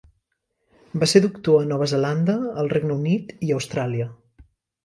Va ser doctor a Nova Zelanda, el Regne Unit i Austràlia.